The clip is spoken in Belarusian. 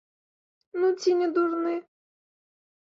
Ну ці не дурны!